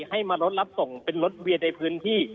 ให้มารถรับส่งเป็นรถเวียนในพื้นที่